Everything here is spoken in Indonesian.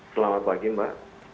selamat pagi mbak